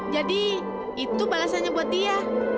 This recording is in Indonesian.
jadi itu balasannya buat dia